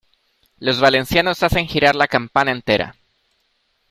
Los valencianos hacen girar la campana entera.